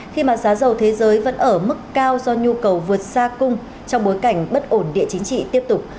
khi mà giá dầu thế giới vẫn ở mức cao do nhu cầu vượt xa cung trong bối cảnh bất ổn địa chính trị tiếp tục